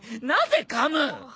なぜかむ！？